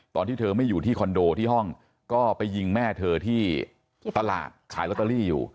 ตอนที่เธอไม่อยู่ที่คอนโดที่ห้องก็ไปยิงแม่เธอที่ตลาดขายลอตเตอรี่อยู่